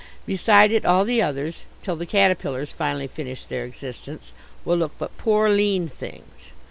Beside it all the others (till the caterpillars finally finish their existence) will look but poor, lean things.